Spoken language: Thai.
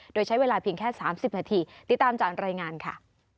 โดยใช้เวลาเพียงแค่๓๐นาทีติดตามจากรายงานค่ะ